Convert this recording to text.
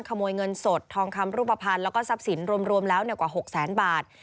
ขโมยเงินสดทองคำรูปภัณฑ์แล้วก็ทรัพย์สินรวมแล้วกว่า๖แสนบาท